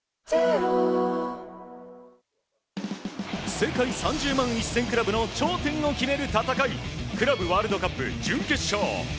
世界３０万１０００クラブの頂点を決める戦いクラブワールドカップ準決勝。